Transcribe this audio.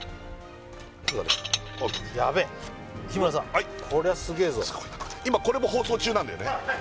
やべえ日村さんこりゃすげえぞ今これも放送中なんだよね？